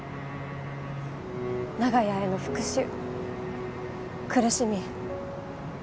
長屋への復讐苦しみ